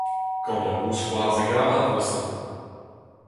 Gant ur mousc'hoarzh hegarat neuze !